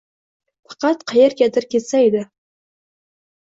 Faqat qayergadir ketsa edi.